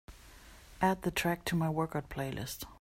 Add the track to my workout playlist.